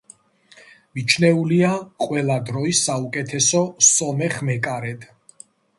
მიჩნეულია ყველა დროის საუკეთესო სომეხ მეკარედ.